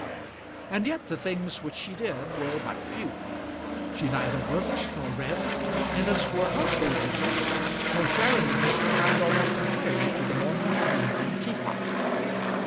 And yet the things which she did were but few. She neither worked nor read, and as for household duties, her share in them was confined almost entirely to the morning and evening teapot.